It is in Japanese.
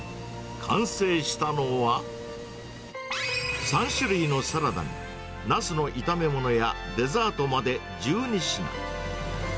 完成したのは、３種類のサラダに、ナスの炒め物やデザートまで１２品。